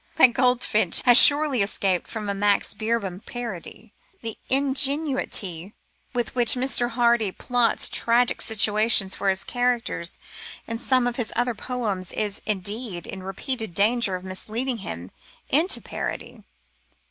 That goldfinch has surely escaped from a Max Beerbohm parody. The ingenuity with which Mr. Hardy plots tragic situations for his characters in some of his other poems is, indeed, in repeated danger of misleading him into parody.